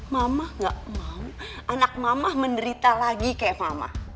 mama gak mau anak mama menderita lagi kayak mama